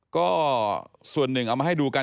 ก็ส่วนหนึ่งเอามาให้ดูกัน